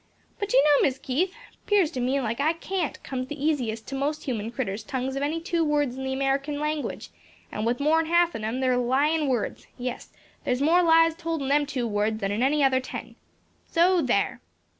But do you know, Mis' Keith, 'pears to me like 'I can't' comes the easiest to most human critters' tongues of any two words in the American language; and with more'n half on 'em they're lyin' words; yes, there's more lies told in them two words than in any other ten. So there!"